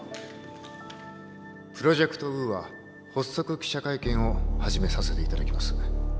プロジェクト・ウーア発足記者会見を始めさせていただきます。